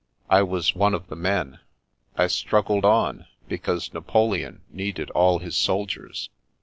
I was one of the men. I struggled on, because Na poleon needed all his soldiers.